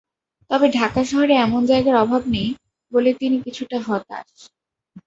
তবে ঢাকা শহরে এমন জায়গার অভাব নেই বলে তিনি কিছুটা হতাশ।